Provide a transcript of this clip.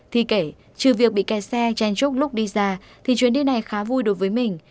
thi kể trừ việc bị kè xe chen chúc lúc đi ra thì chuyến đi này khá vui đối với mình